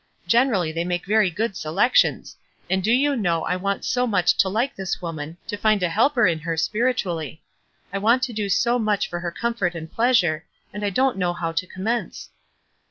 Generally they make. very good selections; and do you know I want so much to like this woman, to find a helper in her spiritually. I want to do so much for her comfort and pleasure, and I don't know how to commence."